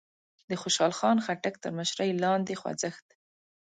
د خوشال خان خټک تر مشرۍ لاندې خوځښت